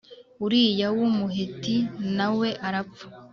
Uriya w Umuheti na we arapfa